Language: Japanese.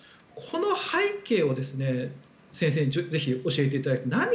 この背景を先生にぜひ教えていただきたい。